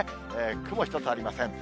雲一つありません。